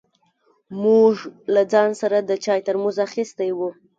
موږ له ځان سره د چای ترموز اخيستی و.